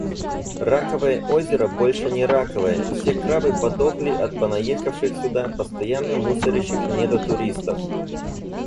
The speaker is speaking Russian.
Раковое озеро больше не раковое. Все крабы подохли от понаехавших сюда, постоянно мусорящих недотуристов!